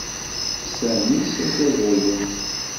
Sami saggadayent.